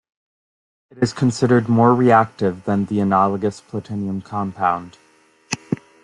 It is considered more reactive than the analogous platinum compound.